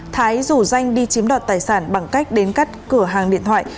thái rủ danh đi chiếm đoạt tài sản bằng cách đến cắt cửa hàng điện thoại